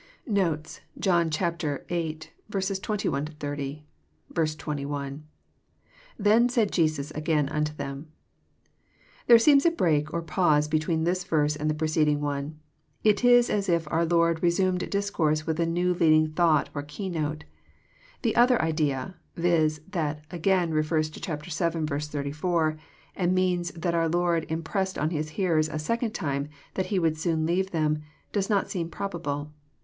Notes. John YIH. 21— SO. 81.— [TT^ft said Jesus again unto tJiemJ] There seems a break or pause between tliis verse and the preceding one. It is as if our Lord resumed discourse with a new leading thought or key note. The other idea, viz., that again'* refers to chap. vii. 84, and means that our Lord impressed on His hearers a second time that He would soon leave them, does not seem probable.